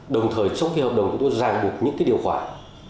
đồng thời trong khi hợp đồng chúng tôi ràng bục những điều khoản